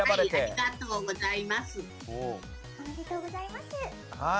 おめでとうございます。